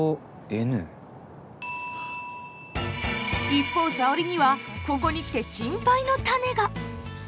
一方沙織にはここに来て心配の種が。